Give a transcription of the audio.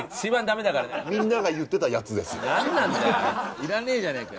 いらねえじゃねえかよ。